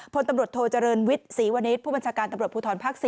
พลตำรวจโทเจริญวิทย์ศรีวณิชย์ผู้บัญชาการตำรวจภูทรภาค๔